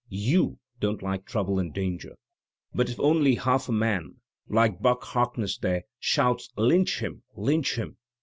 You don't like trouble and danger. But if only half a man — like Buck Harkness, there — shouts "Lynch him! lynch him!''